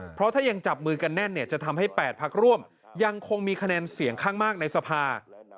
เพราะถ้ายังจับมือกันแน่นเนี่ยจะทำให้๘พักร่วมยังคงมีคะแนนเสียงข้างมากในสภา